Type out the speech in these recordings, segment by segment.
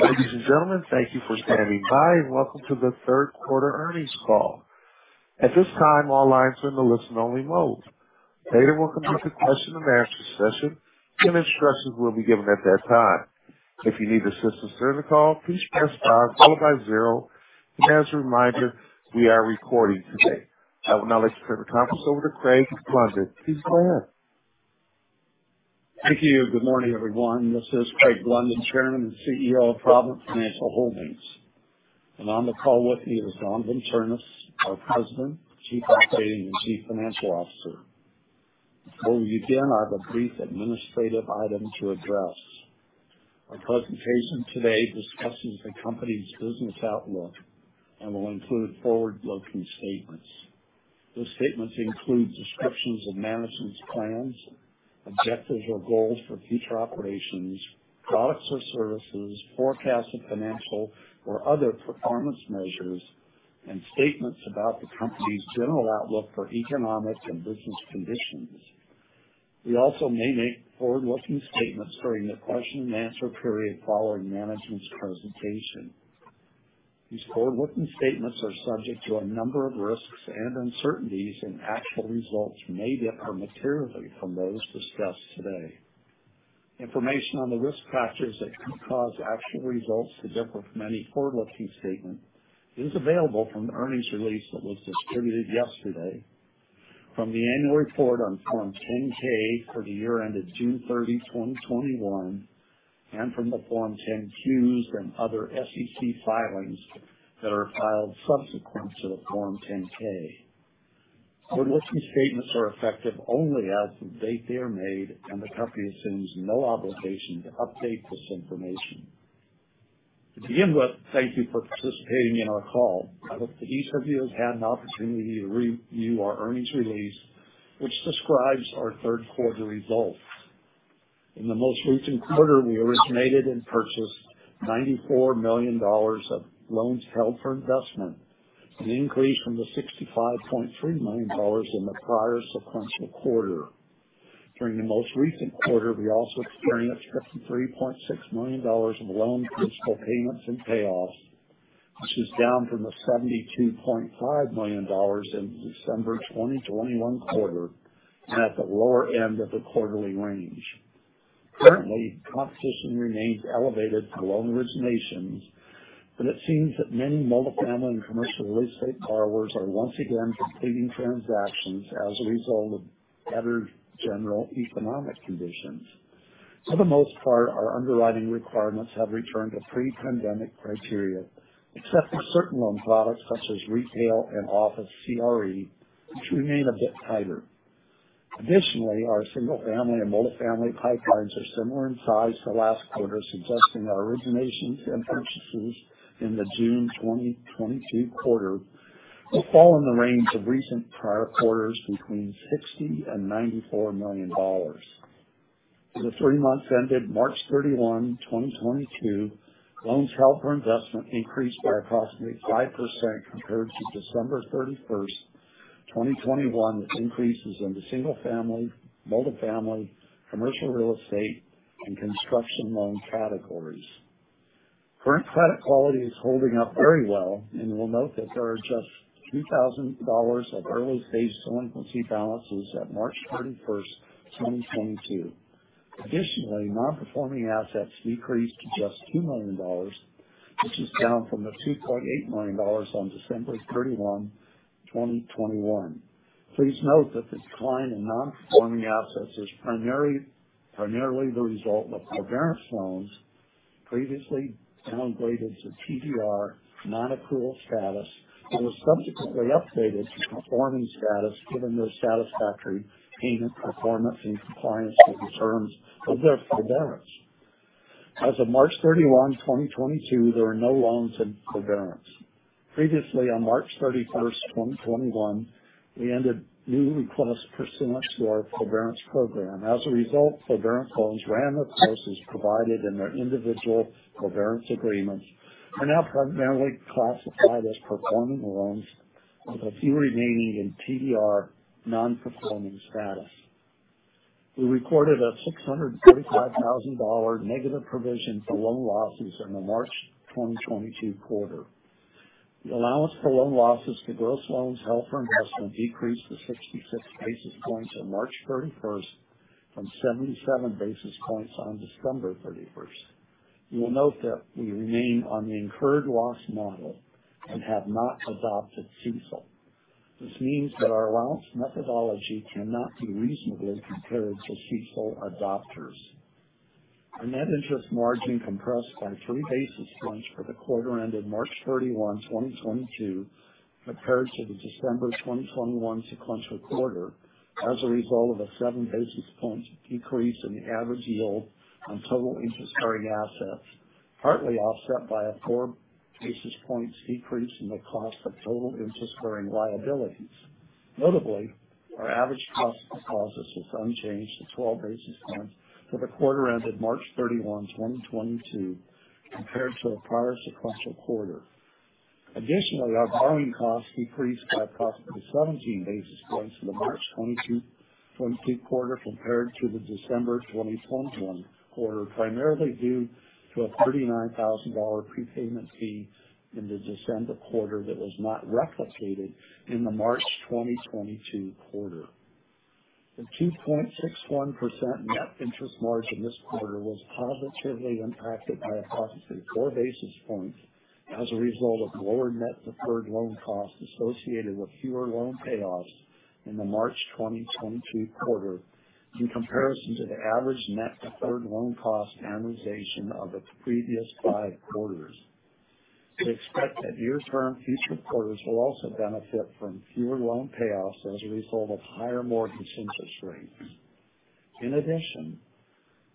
Ladies and gentlemen, thank you for standing by and welcome to the third quarter earnings call. At this time, all lines are in the listen only mode. Later we'll conduct a question and answer session and instructions will be given at that time. If you need assistance during the call, please press star followed by zero. As a reminder, we are recording today. I would now like to turn the conference over to Craig Blunden. Please go ahead. Thank you. Good morning, everyone. This is Craig Blunden, Chairman and CEO of Provident Financial Holdings. On the call with me is Donavon Ternes, our President, Chief Operating and Chief Financial Officer. Before we begin, I have a brief administrative item to address. Our presentation today discusses the company's business outlook and will include forward-looking statements. Those statements include descriptions of management's plans, objectives or goals for future operations, products or services, forecasts of financial or other performance measures, and statements about the company's general outlook for economics and business conditions. We also may make forward-looking statements during the question and answer period following management's presentation. These forward-looking statements are subject to a number of risks and uncertainties, and actual results may differ materially from those discussed today. Information on the risk factors that could cause actual results to differ from any forward-looking statement is available from the earnings release that was distributed yesterday from the annual report on Form 10-K for the year ended June 30, 2021, and from the Forms 10-Q and other SEC filings that are filed subsequent to the Form 10-K. Forward-looking statements are effective only as of the date they are made, and the company assumes no obligation to update this information. To begin with, thank you for participating in our call. I hope that each of you has had an opportunity to review our earnings release, which describes our third quarter results. In the most recent quarter, we originated and purchased $94 million of loans held for investment, an increase from the $65.3 million in the prior sequential quarter. During the most recent quarter, we also experienced $53.6 million of loan principal payments and payoffs, which is down from the $72.5 million in December 2021 quarter and at the lower end of the quarterly range. Currently, competition remains elevated for loan originations, but it seems that many multifamily and commercial real estate borrowers are once again completing transactions as a result of better general economic conditions. For the most part, our underwriting requirements have returned to pre-pandemic criteria, except for certain loan products such as retail and office CRE, which remain a bit tighter. Additionally, our single family and multifamily pipelines are similar in size to last quarter, suggesting our originations and purchases in the June 2022 quarter will fall in the range of recent prior quarters between $60 million and $94 million. For the three months ended March 31, 2022, loans held for investment increased by approximately 5% compared to December 31, 2021, with increases in the single family, multifamily, commercial real estate and construction loan categories. Current credit quality is holding up very well, and we'll note that there are just $2,000 of early stage delinquency balances at March 31, 2022. Additionally, non-performing assets decreased to just $2 million, which is down from the $2.8 million on December 31, 2021. Please note that the decline in non-performing assets is primarily the result of forbearance loans previously downgraded to TDR non-accrual status and was subsequently updated to performing status given their satisfactory payment performance in compliance with the terms of their forbearance. As of March 31, 2022, there are no loans in forbearance. Previously, on March 31, 2021, we ended new requests pursuant to our forbearance program. As a result, forbearance loans ran their course provided in their individual forbearance agreements are now primarily classified as performing loans, with a few remaining in TDR non-performing status. We recorded a $635,000 negative provision for loan losses in the March 2022 quarter. The allowance for loan losses for gross loans held for investment decreased to 66 basis points on March 31 from 77 basis points on December 31. You will note that we remain on the incurred loss model and have not adopted CECL. This means that our allowance methodology cannot be reasonably compared to CECL adopters. Our net interest margin compressed by 3 basis points for the quarter ended March 31, 2022, compared to the December 2021 sequential quarter as a result of a 7 basis points decrease in the average yield on total interest-bearing assets, partly offset by a 4 basis points decrease in the cost of total interest-bearing liabilities. Notably, our average cost of deposits was unchanged at 12 basis points for the quarter ended March 31, 2022, compared to the prior sequential quarter. Additionally, our borrowing costs increased by approximately 17 basis points for the March 2022 quarter compared to the December 2021 quarter, primarily due to a $39,000 prepayment fee in the December quarter that was not replicated in the March 2022 quarter. The 2.61% net interest margin this quarter was positively impacted by approximately four basis points as a result of lower net deferred loan costs associated with fewer loan payoffs in the March 2022 quarter in comparison to the average net deferred loan cost amortization of the previous five quarters. We expect that near-term future quarters will also benefit from fewer loan payoffs as a result of higher mortgage interest rates. In addition,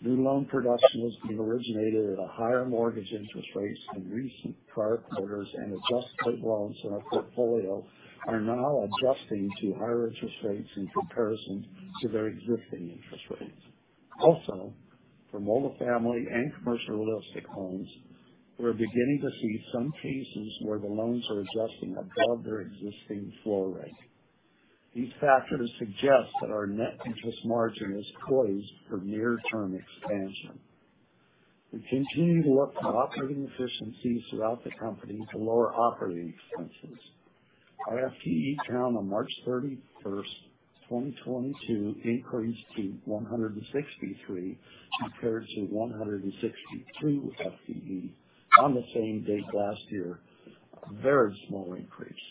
new loan production has been originated at a higher mortgage interest rates in recent prior quarters, and adjusted loans in our portfolio are now adjusting to higher interest rates in comparison to their existing interest rates. Also, for multifamily and commercial real estate loans, we're beginning to see some cases where the loans are adjusting above their existing floor rate. These factors suggest that our net interest margin is poised for near-term expansion. We continue to work on operating efficiencies throughout the company to lower operating expenses. Our FTE count on March 31, 2022 increased to 163 compared to 162 FTE on the same date last year. A very small increase.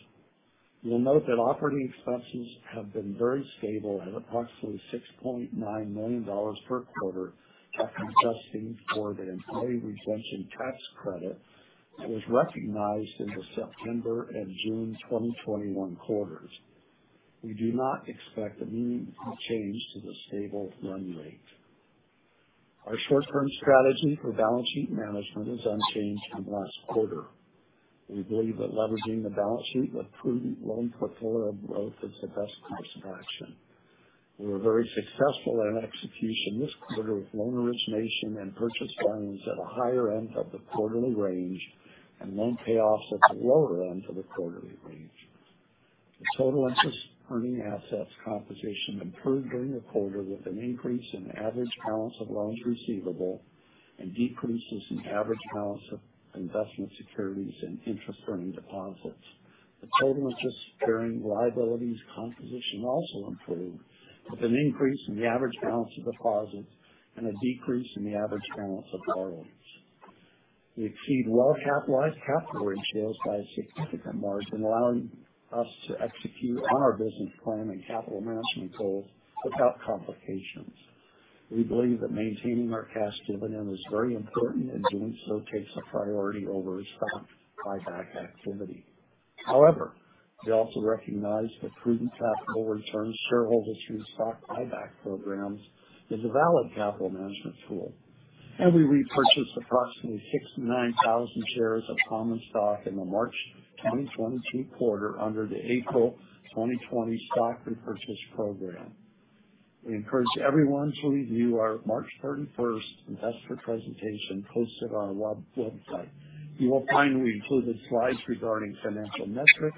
You'll note that operating expenses have been very stable at approximately $6.9 million per quarter, adjusting for the Employee Retention Tax Credit that was recognized in the September and June 2021 quarters. We do not expect a meaningful change to this stable run rate. Our short term strategy for balance sheet management is unchanged from last quarter. We believe that leveraging the balance sheet with prudent loan portfolio growth is the best course of action. We were very successful in execution this quarter with loan origination and purchased loans at a higher end of the quarterly range and loan payoffs at the lower end of the quarterly range. The total interest-earning assets composition improved during the quarter, with an increase in average balance of loans receivable and decreases in average balance of investment securities and interest-earning deposits. The total interest-bearing liabilities composition also improved, with an increase in the average balance of deposits and a decrease in the average balance of borrowings. We exceed well-capitalized capital ratios by a significant margin, allowing us to execute on our business plan and capital management goals without complications. We believe that maintaining our cash dividend is very important, and doing so takes a priority over stock buyback activity. However, we also recognize that prudent capital return to shareholders through stock buyback programs is a valid capital management tool, and we repurchased approximately 69,000 shares of common stock in the March 2022 quarter under the April 2020 stock repurchase program. We encourage everyone to review our March 31 investor presentation posted on our website. You will find we included slides regarding financial metrics,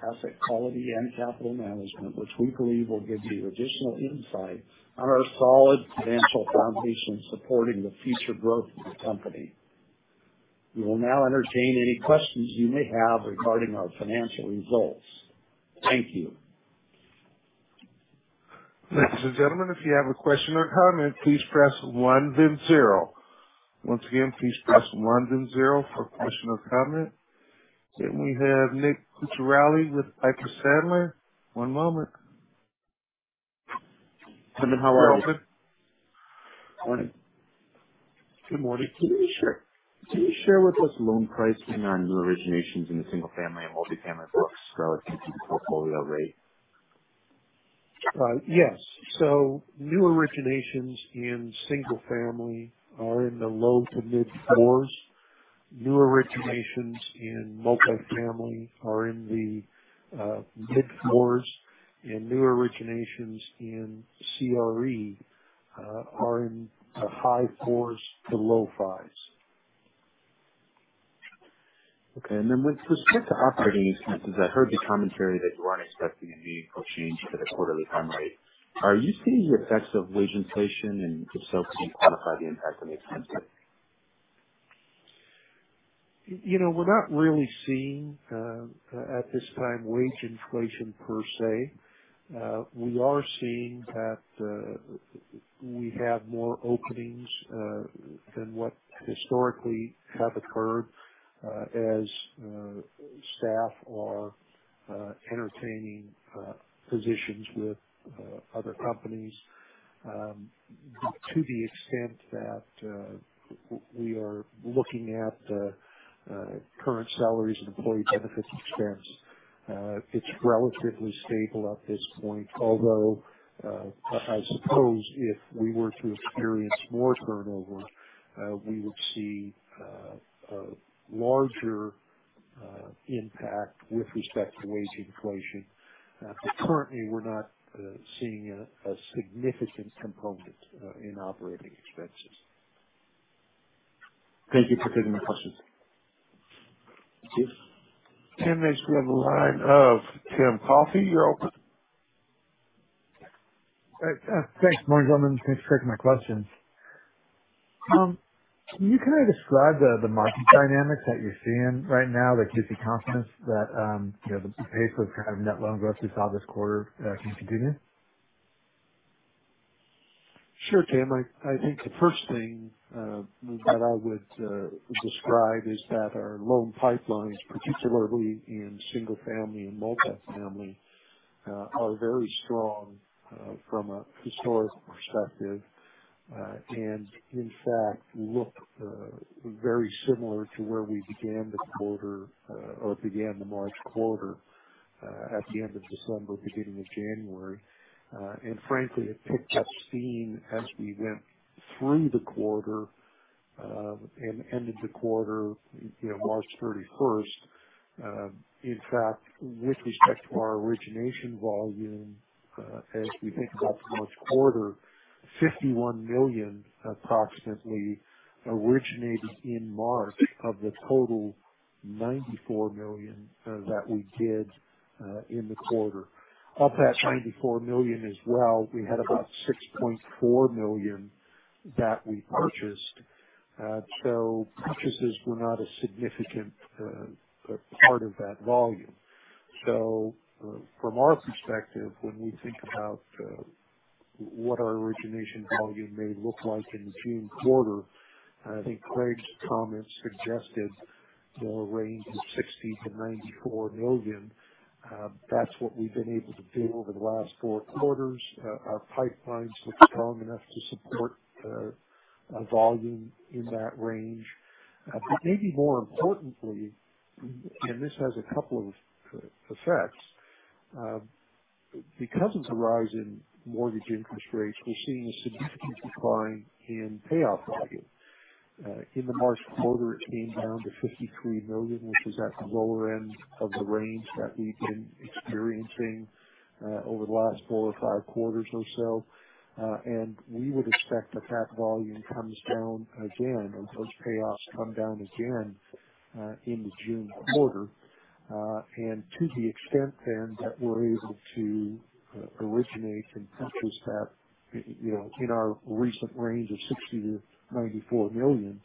asset quality and capital management, which we believe will give you additional insight on our solid financial foundation supporting the future growth of the company. We will now entertain any questions you may have regarding our financial results. Thank you. Ladies and gentlemen, if you have a question or comment, please press one then zero. Once again, please press one then zero for question or comment. We have Nick Cucharale with Piper Sandler. One moment. Good morning. How are you? Good morning. Can you share with us loan pricing on new originations in the single family and multifamily books relative to the portfolio rate? New originations in single family are in the low- to mid-4s. New originations in multifamily are in the mid-4s, and new originations in CRE are in the high-4s to low-5s. Okay. With respect to operating expenses, I heard the commentary that you aren't expecting a meaningful change to the quarterly run rate. Are you seeing the effects of wage inflation, and if so, can you quantify the impact on expenses? You know, we're not really seeing at this time wage inflation per se. We are seeing that we have more openings than what historically have occurred as staff are entertaining positions with other companies to the extent that we are looking at current salaries and employee benefits expense. It's relatively stable at this point, although I suppose if we were to experience more turnover we would see a larger impact with respect to wage inflation. Currently we're not seeing a significant component in operating expenses. Thank you for taking my question. Thank you. Tim, next we have a line of Tim Coffey. You're open. Thanks, morning, gentlemen. Thanks for taking my questions. Can you kind of describe the market dynamics that you're seeing right now that gives you confidence that, you know, the pace of kind of net loan growth we saw this quarter can continue? Sure, Tim. I think the first thing that I would describe is that our loan pipelines, particularly in single family and multifamily, are very strong from a historical perspective. In fact, they look very similar to where we began the quarter or began the March quarter at the end of December, beginning of January. Frankly, it picked up steam as we went through the quarter and ended the quarter, you know, March 31. In fact, with respect to our origination volume, as we think about the March quarter, $51 million approximately originated in March of the total $94 million that we did in the quarter. Of that $94 million as well, we had about $6.4 million that we purchased. So purchases were not a significant part of that volume. From our perspective, when we think about what our origination volume may look like in the June quarter, I think Craig's comments suggested the range of $60-$94 million. That's what we've been able to do over the last four quarters. Our pipelines look strong enough to support a volume in that range. Maybe more importantly, this has a couple of effects. Because of the rise in mortgage interest rates, we're seeing a significant decline in payoff volume. In the March quarter, it came down to $53 million, which is at the lower end of the range that we've been experiencing over the last four or five quarters or so. We would expect that volume comes down again and those payoffs come down again in the June quarter. To the extent then that we're able to originate and purchase that, you know, in our recent range of $60 million-$94 million,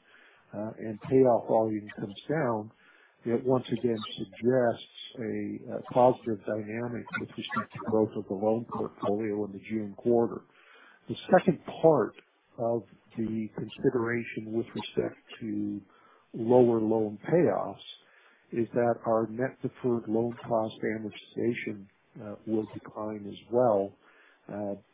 and payoff volume comes down. It once again suggests a positive dynamic with respect to growth of the loan portfolio in the June quarter. The second part of the consideration with respect to lower loan payoffs is that our net deferred loan costs amortization will decline as well,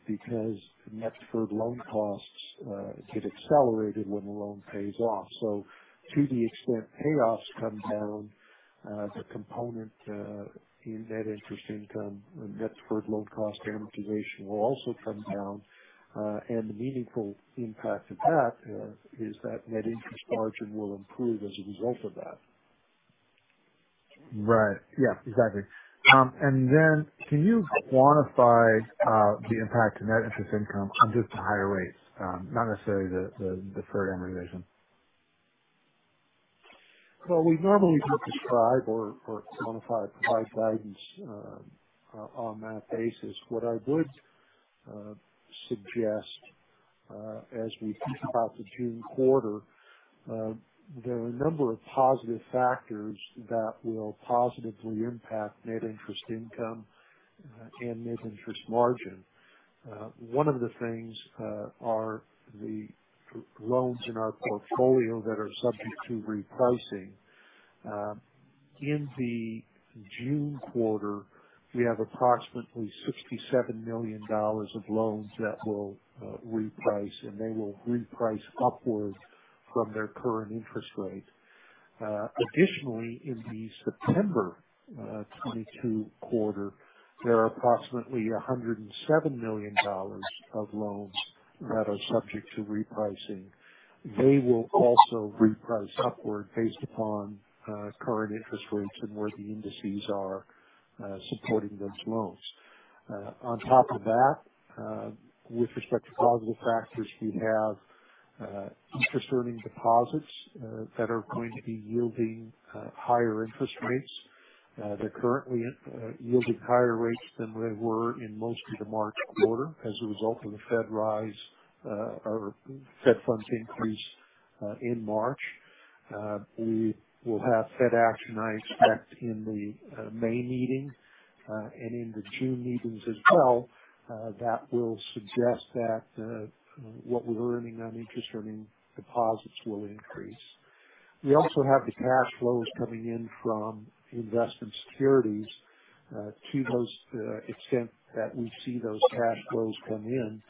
because net deferred loan costs get accelerated when the loan pays off. To the extent payoffs come down, the component in net interest income and net deferred loan costs amortization will also come down. The meaningful impact of that is that net interest margin will improve as a result of that. Right. Yeah, exactly. Can you quantify the impact to net interest income on just the higher rates? Not necessarily the program revision. We normally don't describe or quantify, provide guidance on that basis. What I would suggest as we think about the June quarter, there are a number of positive factors that will positively impact net interest income and net interest margin. One of the things are the loans in our portfolio that are subject to repricing. In the June quarter, we have approximately $67 million of loans that will reprice, and they will reprice upwards from their current interest rate. Additionally, in the September 2022 quarter, there are approximately $107 million of loans that are subject to repricing. They will also reprice upward based upon current interest rates and where the indices are supporting those loans. On top of that, with respect to positive factors, we have interest earning deposits that are going to be yielding higher interest rates. They're currently yielding higher rates than they were in most of the March quarter as a result of the Fed rise or Fed funds increase in March. We will have Fed action, I expect in the May meeting and in the June meetings as well. That will suggest that what we're earning on interest earning deposits will increase. We also have the cash flows coming in from investment securities. To the extent that we see those cash flows come in,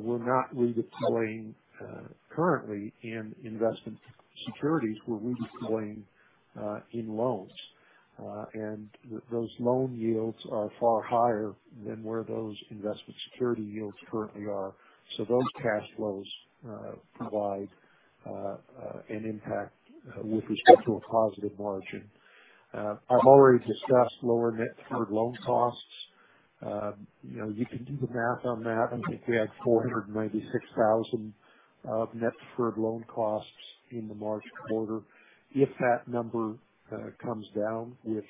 we're not redeploying currently in investment securities. We're redeploying in loans. Those loan yields are far higher than where those investment security yields currently are. Those cash flows provide an impact with respect to a positive margin. I've already discussed lower net deferred loan costs. You know, you can do the math on that. I think we had $496,000 of net deferred loan costs in the March quarter. If that number comes down, which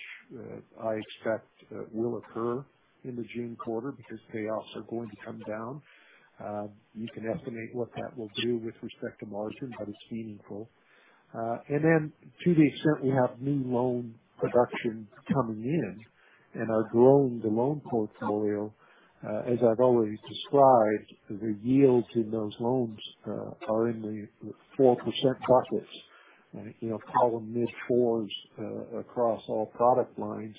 I expect will occur in the June quarter because payoffs are going to come down, you can estimate what that will do with respect to margin, but it's meaningful. To the extent we have new loan production coming in and are growing the loan portfolio, as I've already described, the yields in those loans are in the 4% brackets. You know, call them mid-fours across all product lines.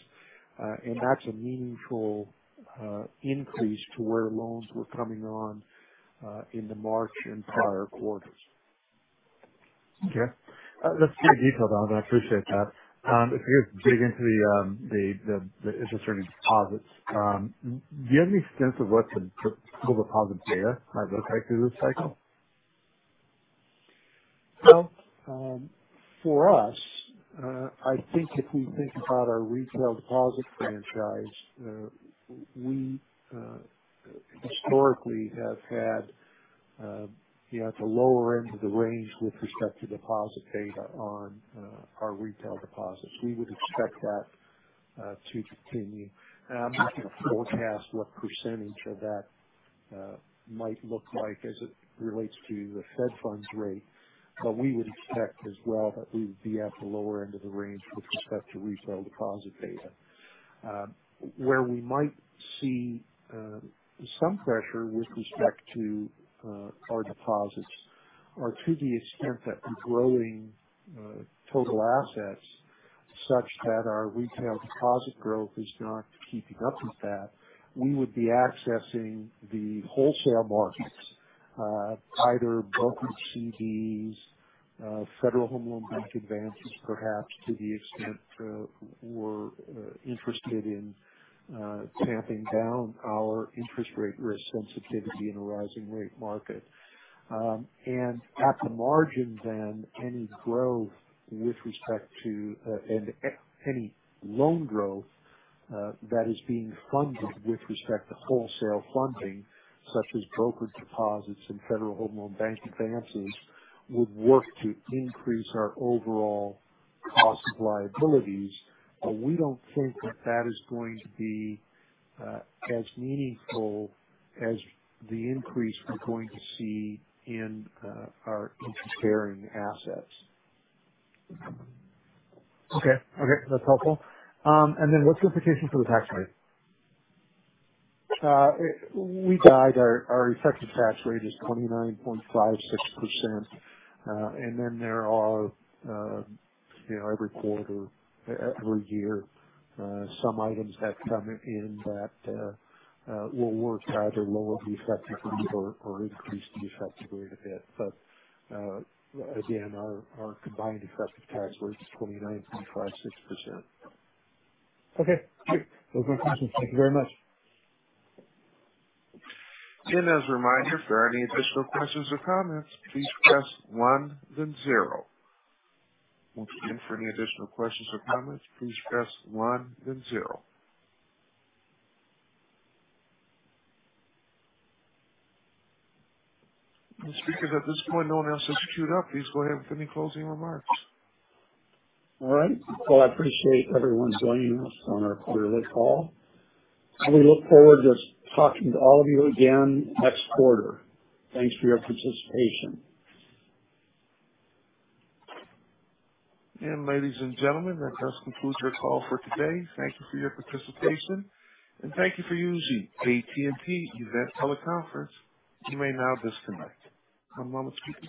That's a meaningful increase to where loans were coming on in the March and prior quarters. Okay. That's pretty detailed, Donavon. I appreciate that. If we could dig into the interest rate deposits. Do you have any sense of what the total deposit beta might look like through this cycle? Well, for us, I think if we think about our retail deposit franchise, we historically have had, you know, at the lower end of the range with respect to deposit beta on our retail deposits. We would expect that to continue. I'm not gonna forecast what percentage of that might look like as it relates to the Fed funds rate, but we would expect as well that we would be at the lower end of the range with respect to retail deposit beta. Where we might see some pressure with respect to our deposit rates to the extent that we're growing total assets such that our retail deposit growth is not keeping up with that, we would be accessing the wholesale markets, either brokered CDs, Federal Home Loan Bank advances, perhaps to the extent we're interested in tamping down our interest rate risk sensitivity in a rising rate market. At the margin then, any growth with respect to any loan growth that is being funded with respect to wholesale funding, such as brokered deposits and Federal Home Loan Bank advances, would work to increase our overall cost of liabilities. We don't think that that is going to be as meaningful as the increase we're going to see in our interest-bearing assets. Okay. That's helpful. What's the implication for the tax rate? We guide our effective tax rate is 29.56%. There are, you know, every quarter, every year, some items that come in that will work to either lower the effective rate or increase the effective rate a bit. Again, our combined effective tax rate is 29.56%. Okay. Great. Those are my questions. Thank you very much. As a reminder, for any additional questions or comments, please press one then zero. Once again, for any additional questions or comments, please press one then zero. Speakers, at this point, no one else is queued up. Please go ahead with any closing remarks. All right. Well, I appreciate everyone joining us on our quarterly call. We look forward to talking to all of you again next quarter. Thanks for your participation. Ladies and gentlemen, that does conclude our call for today. Thank you for your participation, and thank you for using AT&T Event Teleconference. You may now disconnect. Come all the speakers.